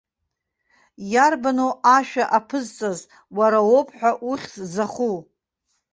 Иарбану ашәа аԥызҵаз уара уоуп ҳәа ухьӡ заху?